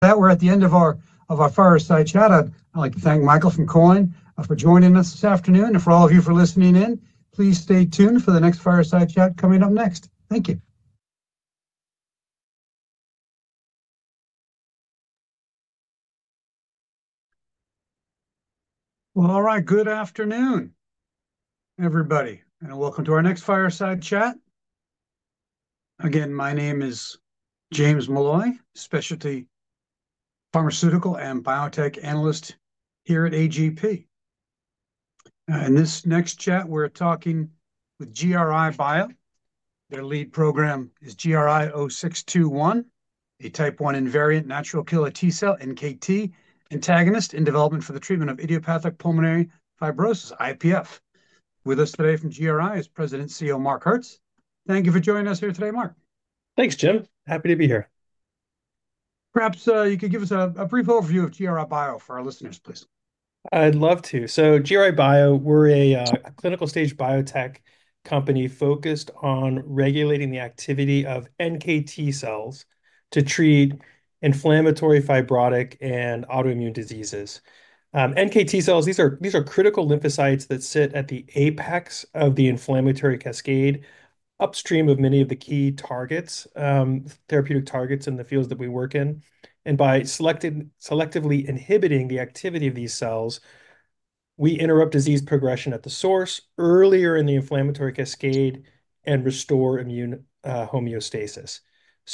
That we're at the end of our fireside chat. I'd like to thank Michael from Colin for joining us this afternoon, and for all of you for listening in. Please stay tuned for the next fireside chat coming up next. Thank you. All right, good afternoon, everybody, and welcome to our next fireside chat. Again, my name is James Malloy, specialty pharmaceutical and biotech analyst here at AGP. In this next chat, we're talking with GRI Bio. Their lead program is GRI-0621, a type I invariant natural killer T cell, NKT, antagonist in development for the treatment of idiopathic pulmonary fibrosis, IPF. With us today from GRI is President CEO Marc Hertz. Thank you for joining us here today, Marc. Thanks, Jim. Happy to be here. Perhaps you could give us a brief overview of GRI Bio for our listeners, please. I'd love to. GRI Bio, we're a clinical stage biotech company focused on regulating the activity of NKT cells to treat inflammatory, fibrotic, and autoimmune diseases. NKT cells, these are critical lymphocytes that sit at the apex of the inflammatory cascade, upstream of many of the key therapeutic targets in the fields that we work in. By selectively inhibiting the activity of these cells, we interrupt disease progression at the source earlier in the inflammatory cascade and restore immune homeostasis.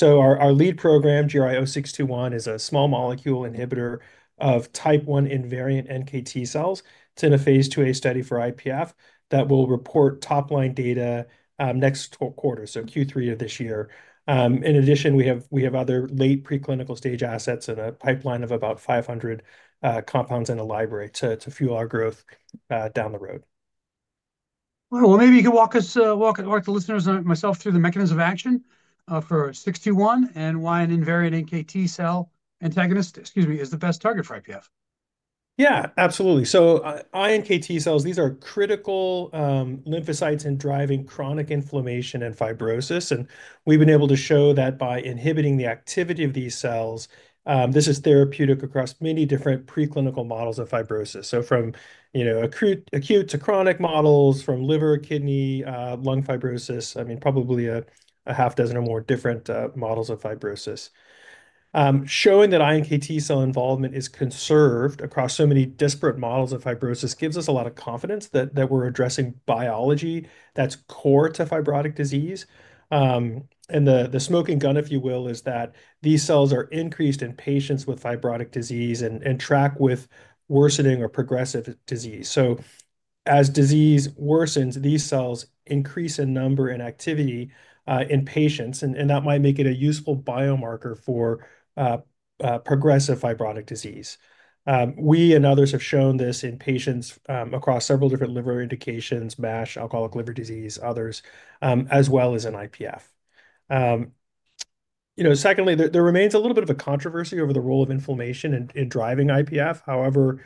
Our lead program, GRI-0621, is a small molecule inhibitor of type Iinvariant NKT cells. It's in a phase 2a study for IPF that will report top-line data next quarter, Q3 of this year. In addition, we have other late preclinical stage assets in a pipeline of about 500 compounds in the library to fuel our growth down the road. Maybe you could walk the listeners and myself through the mechanism of action for 621 and why an invariant NKT cell antagonist, excuse me, is the best target for IPF. Yeah, absolutely. INKT cells, these are critical lymphocytes in driving chronic inflammation and fibrosis. We've been able to show that by inhibiting the activity of these cells, this is therapeutic across many different preclinical models of fibrosis. From acute to chronic models, from liver, kidney, lung fibrosis, I mean, probably a half dozen or more different models of fibrosis. Showing that INKT cell involvement is conserved across so many disparate models of fibrosis gives us a lot of confidence that we're addressing biology that's core to fibrotic disease. The smoking gun, if you will, is that these cells are increased in patients with fibrotic disease and track with worsening or progressive disease. As disease worsens, these cells increase in number and activity in patients, and that might make it a useful biomarker for progressive fibrotic disease. We and others have shown this in patients across several different liver indications, MASH, alcoholic liver disease, others, as well as in IPF. Secondly, there remains a little bit of a controversy over the role of inflammation in driving IPF. However,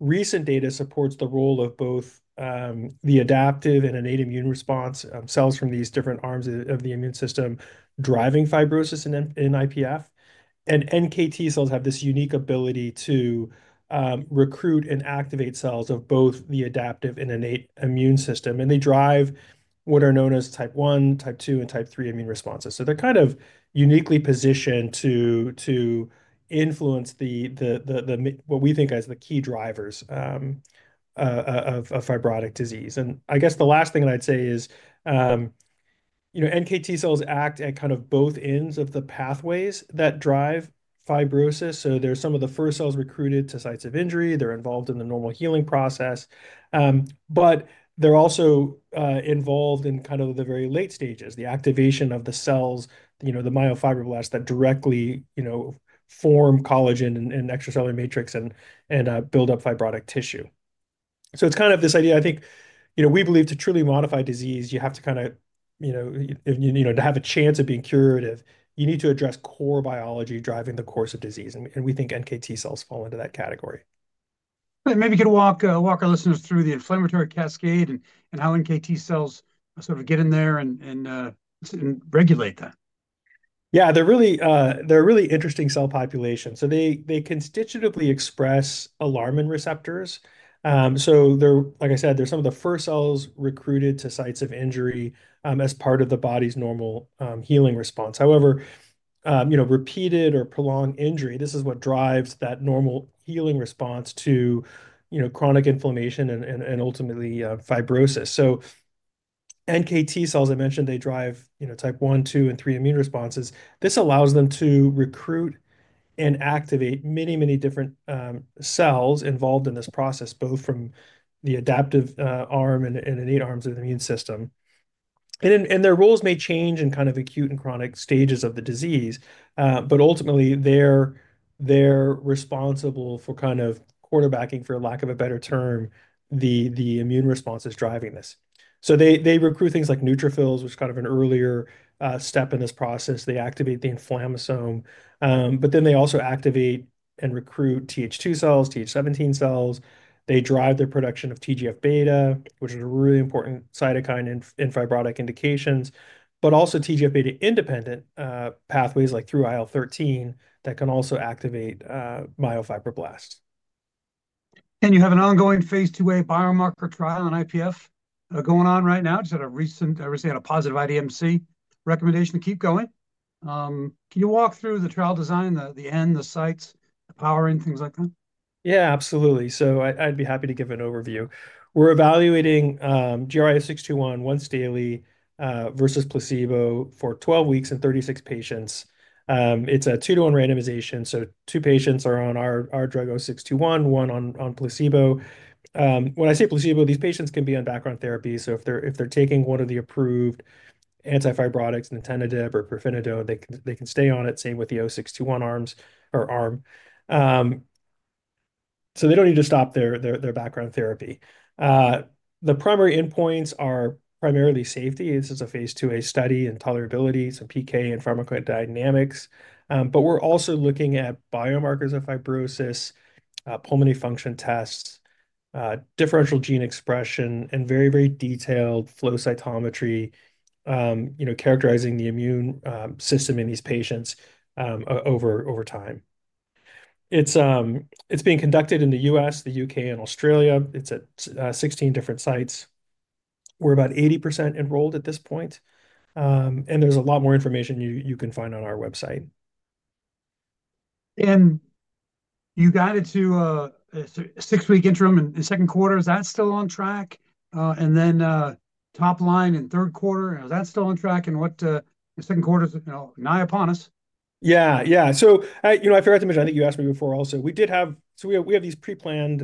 recent data supports the role of both the adaptive and innate immune response cells from these different arms of the immune system driving fibrosis in IPF. NKT cells have this unique ability to recruit and activate cells of both the adaptive and innate immune system. They drive what are known as type I, type II, and type III immune responses. They are kind of uniquely positioned to influence what we think as the key drivers of fibrotic disease. I guess the last thing I'd say is NKT cells act at kind of both ends of the pathways that drive fibrosis. There are some of the first cells recruited to sites of injury. They are involved in the normal healing process. They are also involved in kind of the very late stages, the activation of the cells, the myofibroblasts that directly form collagen and extracellular matrix and build up fibrotic tissue. It is kind of this idea, I think, we believe to truly modify disease, you have to kind of, to have a chance of being curative, you need to address core biology driving the course of disease. We think NKT cells fall into that category. Maybe you could walk our listeners through the inflammatory cascade and how NKT cells sort of get in there and regulate that. Yeah, they're really interesting cell populations. They constitutively express alarming receptors. Like I said, they're some of the first cells recruited to sites of injury as part of the body's normal healing response. However, repeated or prolonged injury, this is what drives that normal healing response to chronic inflammation and ultimately fibrosis. NKT cells, I mentioned, they drive type I, II, and III immune responses. This allows them to recruit and activate many, many different cells involved in this process, both from the adaptive arm and innate arms of the immune system. Their roles may change in kind of acute and chronic stages of the disease, but ultimately, they're responsible for kind of quarterbacking, for lack of a better term, the immune responses driving this. They recruit things like neutrophils, which is kind of an earlier step in this process. They activate the inflammasome. They also activate and recruit TH2 cells, TH17 cells. They drive their production of TGF-β, which is a really important cytokine in fibrotic indications, but also TGF-β independent pathways like through IL-13 that can also activate myofibroblasts. You have an ongoing phase 2a biomarker trial in IPF going on right now. You said recently, I recently had a positive IDMC recommendation to keep going. Can you walk through the trial design, the end, the sites, the power in, things like that? Yeah, absolutely. I'd be happy to give an overview. We're evaluating GRI-0621 once daily versus placebo for 12 weeks in 36 patients. It's a 2-to-1 randomization. Two patients are on our drug, 0621, one on placebo. When I say placebo, these patients can be on background therapy. If they're taking one of the approved antifibrotics, nintedanib or pirfenidone, they can stay on it, same with the 0621 arms. They don't need to stop their background therapy. The primary endpoints are primarily safety. This is a phase 2a study and tolerability, so PK and pharmacodynamics. We're also looking at biomarkers of fibrosis, pulmonary function tests, differential gene expression, and very, very detailed flow cytometry characterizing the immune system in these patients over time. It's being conducted in the U.S., the U.K., and Australia. It's at 16 different sites. We're about 80% enrolled at this point. There is a lot more information you can find on our website. You guided to a six-week interim in the second quarter. Is that still on track? Top line in third quarter, is that still on track? Second quarter is nigh upon us. Yeah, yeah. I forgot to mention, I think you asked me before also, we did have, so we have these pre-planned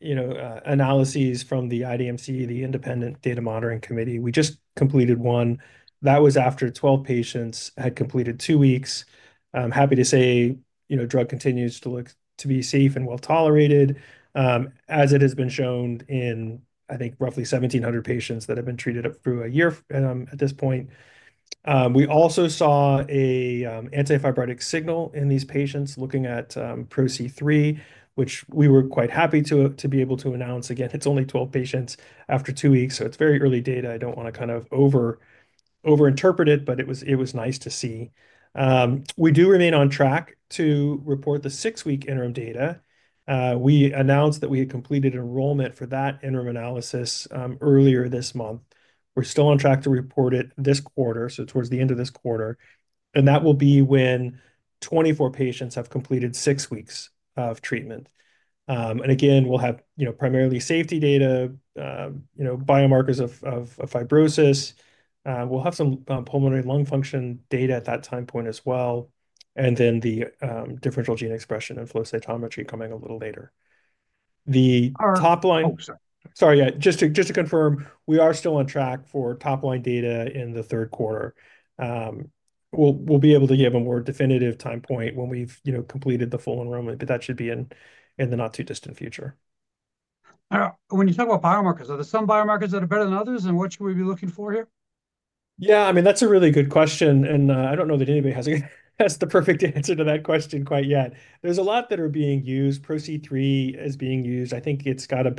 analyses from the IDMC, the Independent Data Monitoring Committee. We just completed one. That was after 12 patients had completed two weeks. Happy to say drug continues to be safe and well tolerated, as it has been shown in, I think, roughly 1,700 patients that have been treated through a year at this point. We also saw an antifibrotic signal in these patients looking at ProC3, which we were quite happy to be able to announce. Again, it is only 12 patients after two weeks. It is very early data. I do not want to kind of over-interpret it, but it was nice to see. We do remain on track to report the six-week interim data. We announced that we had completed enrollment for that interim analysis earlier this month. We're still on track to report it this quarter, toward the end of this quarter. That will be when 24 patients have completed six weeks of treatment. Again, we'll have primarily safety data, biomarkers of fibrosis. We'll have some pulmonary lung function data at that time point as well. The differential gene expression and flow cytometry are coming a little later. The top line. Oh, sorry. Sorry, yeah. Just to confirm, we are still on track for top line data in the third quarter. We'll be able to give a more definitive time point when we've completed the full enrollment, but that should be in the not-too-distant future. When you talk about biomarkers, are there some biomarkers that are better than others? What should we be looking for here? Yeah, I mean, that's a really good question. I don't know that anybody has the perfect answer to that question quite yet. There's a lot that are being used. ProC3 is being used. I think it's got a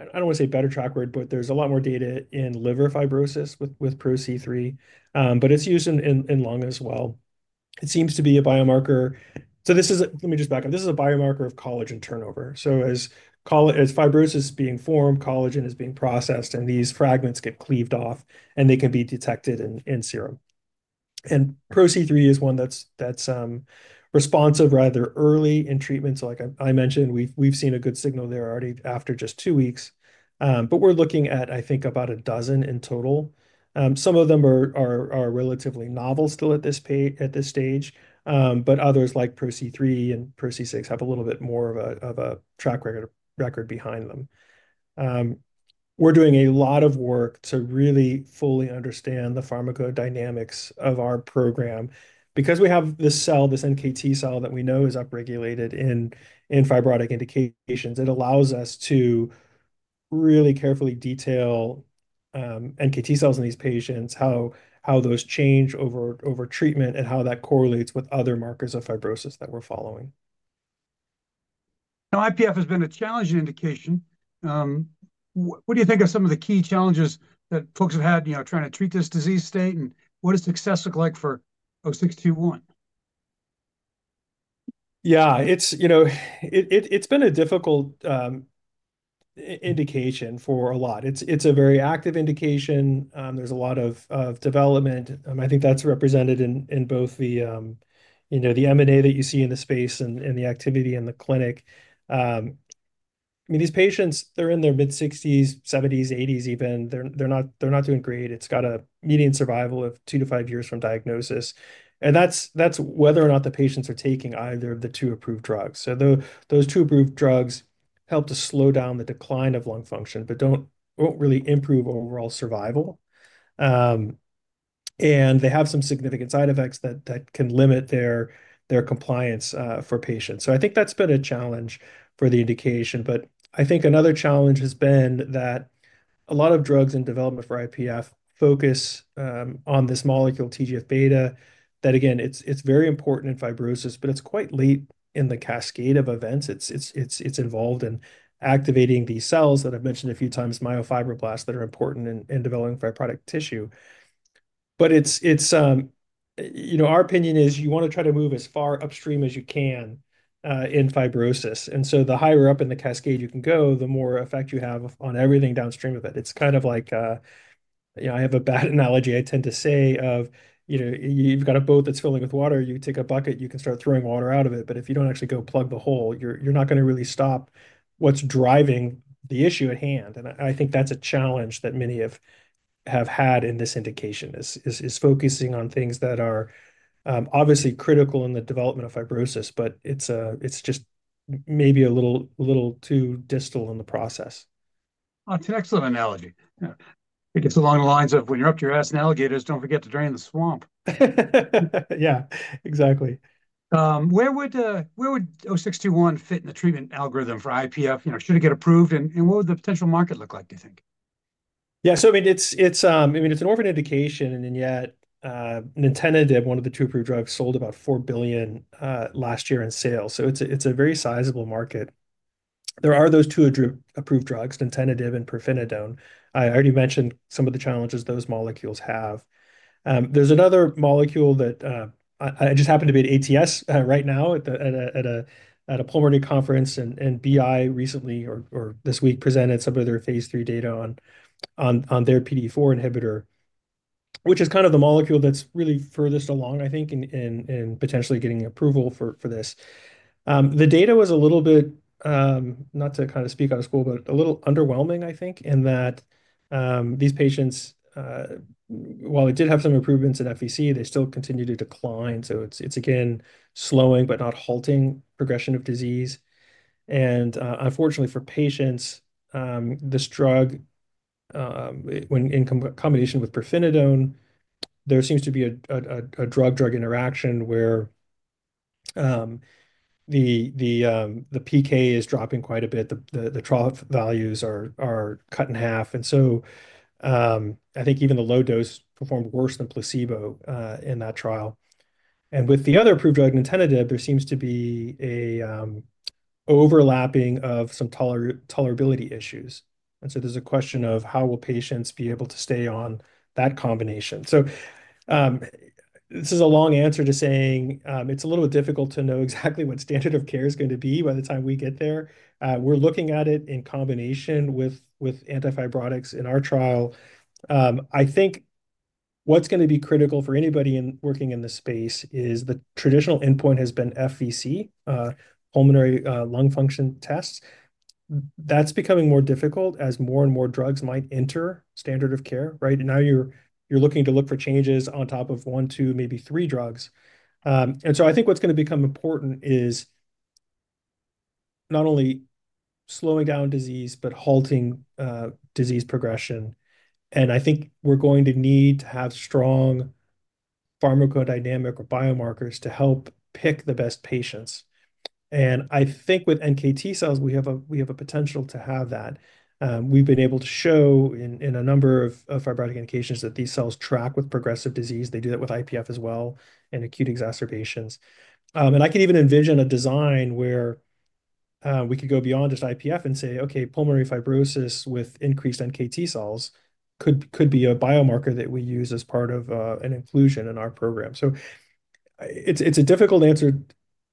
better—I don't want to say better track record, but there's a lot more data in liver fibrosis with ProC3. It's used in lung as well. It seems to be a biomarker. Let me just back up. This is a biomarker of collagen turnover. As fibrosis is being formed, collagen is being processed, and these fragments get cleaved off, and they can be detected in serum. ProC3 is one that's responsive rather early in treatment. Like I mentioned, we've seen a good signal there already after just two weeks. We're looking at, I think, about a dozen in total. Some of them are relatively novel still at this stage, but others like ProC3 and ProC6 have a little bit more of a track record behind them. We're doing a lot of work to really fully understand the pharmacodynamics of our program. Because we have this cell, this NKT cell that we know is upregulated in fibrotic indications, it allows us to really carefully detail NKT cells in these patients, how those change over treatment, and how that correlates with other markers of fibrosis that we're following. Now, IPF has been a challenging indication. What do you think are some of the key challenges that folks have had trying to treat this disease state? What does success look like for 0621? Yeah, it's been a difficult indication for a lot. It's a very active indication. There's a lot of development. I think that's represented in both the M&A that you see in the space and the activity in the clinic. I mean, these patients, they're in their mid-60s, 70s, 80s even. They're not doing great. It's got a median survival of two to five years from diagnosis. And that's whether or not the patients are taking either of the two approved drugs. Those two approved drugs help to slow down the decline of lung function, but don't really improve overall survival. They have some significant side effects that can limit their compliance for patients. I think that's been a challenge for the indication. I think another challenge has been that a lot of drugs in development for IPF focus on this molecule, TGF-β, that, again, it's very important in fibrosis, but it's quite late in the cascade of events. It's involved in activating these cells that I've mentioned a few times, myofibroblasts that are important in developing fibrotic tissue. Our opinion is you want to try to move as far upstream as you can in fibrosis. The higher up in the cascade you can go, the more effect you have on everything downstream of it. It's kind of like I have a bad analogy I tend to say of you've got a boat that's filling with water. You take a bucket, you can start throwing water out of it. If you do not actually go plug the hole, you are not going to really stop what is driving the issue at hand. I think that is a challenge that many have had in this indication, focusing on things that are obviously critical in the development of fibrosis, but it is just maybe a little too distal in the process. That's an excellent analogy. It gets along the lines of when you're up your ass in alligators, don't forget to drain the swamp. Yeah, exactly. Where would 0621 fit in the treatment algorithm for IPF? Should it get approved? What would the potential market look like, do you think? Yeah, so I mean, it's an orphan indication. And yet, nintedanib, one of the two approved drugs, sold about $4 billion last year in sales. So it's a very sizable market. There are those two approved drugs, nintedanib and pirfenidone. I already mentioned some of the challenges those molecules have. There's another molecule that I just happen to be at ATS right now at a pulmonary conference. And Boehringer Ingelheim recently, or this week, presented some of their phase III data on their PDE4 inhibitor, which is kind of the molecule that's really furthest along, I think, in potentially getting approval for this. The data was a little bit, not to kind of speak out of school, but a little underwhelming, I think, in that these patients, while it did have some improvements in FVC, they still continued to decline. So it's, again, slowing but not halting progression of disease. Unfortunately for patients, this drug, when in combination with pirfenidone, there seems to be a drug-drug interaction where the PK is dropping quite a bit. The trough values are cut in half. I think even the low dose performed worse than placebo in that trial. With the other approved drug, nintedanib, there seems to be an overlapping of some tolerability issues. There is a question of how will patients be able to stay on that combination. This is a long answer to saying it is a little difficult to know exactly what standard of care is going to be by the time we get there. We are looking at it in combination with antifibrotics in our trial. I think what is going to be critical for anybody working in this space is the traditional endpoint has been FVC, pulmonary lung function tests. That's becoming more difficult as more and more drugs might enter standard of care, right? Now you're looking to look for changes on top of one, two, maybe three drugs. I think what's going to become important is not only slowing down disease, but halting disease progression. I think we're going to need to have strong pharmacodynamic or biomarkers to help pick the best patients. I think with NKT cells, we have a potential to have that. We've been able to show in a number of fibrotic indications that these cells track with progressive disease. They do that with IPF as well in acute exacerbations. I can even envision a design where we could go beyond just IPF and say, "Okay, pulmonary fibrosis with increased NKT cells could be a biomarker that we use as part of an inclusion in our program." It is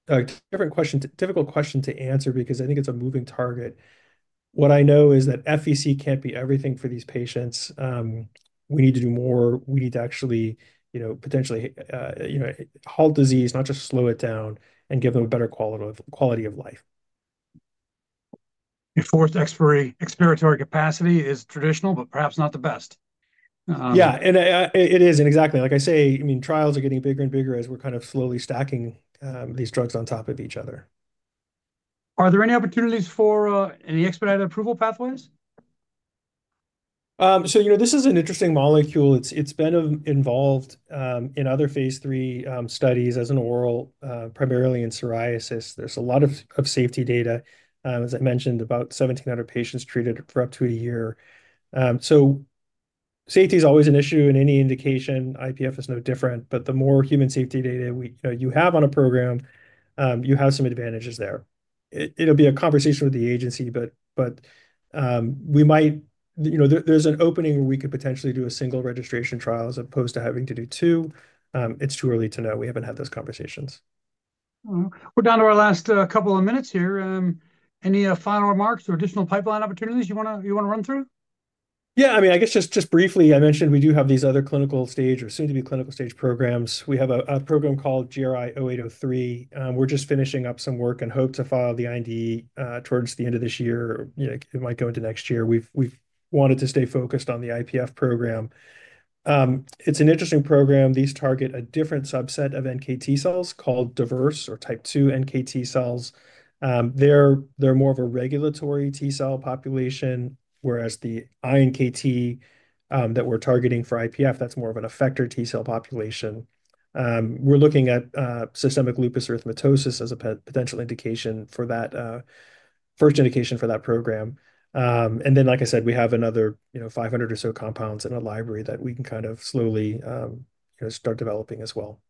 a difficult question to answer because I think it is a moving target. What I know is that FVC cannot be everything for these patients. We need to do more. We need to actually potentially halt disease, not just slow it down and give them a better quality of life. Forced vital capacity is traditional, but perhaps not the best. Yeah, and it is, and exactly. Like I say, I mean, trials are getting bigger and bigger as we're kind of slowly stacking these drugs on top of each other. Are there any opportunities for any expedited approval pathways? This is an interesting molecule. It's been involved in other phase III studies as an oral, primarily in psoriasis. There's a lot of safety data. As I mentioned, about 1,700 patients treated for up to a year. Safety is always an issue in any indication. IPF is no different. The more human safety data you have on a program, you have some advantages there. It'll be a conversation with the agency, but there's an opening where we could potentially do a single registration trial as opposed to having to do two. It's too early to know. We haven't had those conversations. We're down to our last couple of minutes here. Any final remarks or additional pipeline opportunities you want to run through? Yeah, I mean, I guess just briefly, I mentioned we do have these other clinical stage or soon-to-be clinical stage programs. We have a program called GRI-0803. We're just finishing up some work and hope to file the IND towards the end of this year. It might go into next year. We've wanted to stay focused on the IPF program. It's an interesting program. These target a different subset of NKT cells called diverse or type II NKT cells. They're more of a regulatory T cell population, whereas the INKT that we're targeting for IPF, that's more of an effector T cell population. We're looking at systemic lupus erythematosus as a potential indication for that first indication for that program. Like I said, we have another 500 or so compounds in a library that we can kind of slowly start developing as well.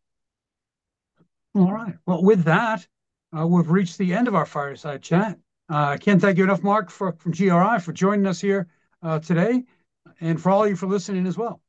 All right. With that, we've reached the end of our fireside chat. I can't thank you enough, Mark, from GRI Bio, for joining us here today. And for all of you for listening as well.